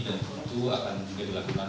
dan kemudian juga dilakukan